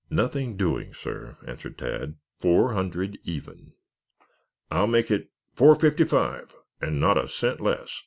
"Nothing doing, sir," answered Tad. "Four hundred even." "I'll make it four fifty five and not a cent less."